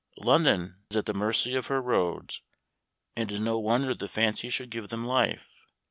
London is at the mercy of her roads, and it is no wonder the fancy should give them life.